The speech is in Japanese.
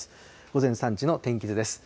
午前３時の天気図です。